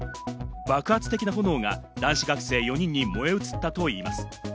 爆発的な炎が男子学生４人に燃え移ったといいます。